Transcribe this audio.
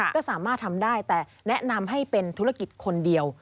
ก็สามารถทำได้แต่แนะนำให้เป็นธุรกิจคนเดียว